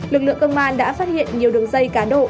lực lượng công an đã phát hiện nhiều đường dây cá độ